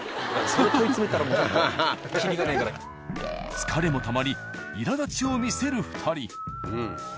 疲れもたまりいらだちを見せる２人。